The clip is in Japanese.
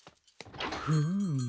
フーム。